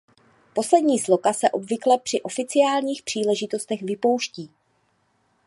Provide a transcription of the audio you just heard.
Poslední sloka se obvykle při oficiálních příležitostech vypouští.